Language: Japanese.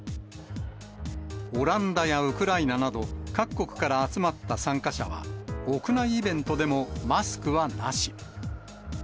オランダやウクライナなど、各国から集まった参加者は、屋内イベントでもマスクはなし。